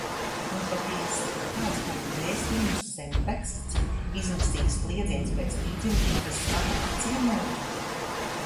Un patiesi – kāds būtu vēstījums, zemteksts? Izmisīgs kliedziens pēc līdzjūtības zvana, apciemojuma?